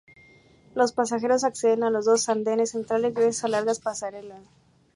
Los pasajeros acceden a los dos andenes centrales gracias a largas pasarelas.